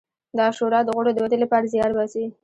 دا شورا د غړو د ودې لپاره زیار باسي.